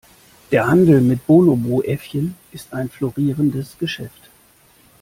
Der Handel mit Bonobo-Äffchen ist ein florierendes Geschäft.